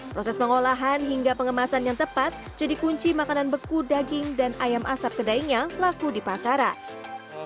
proses pengolahan hingga pengemasan yang tepat jadi kunci makanan beku daging dan ayam asap kedainya laku di pasaran